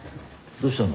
どうしたの？